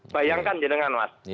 bayangkan ya dengan mas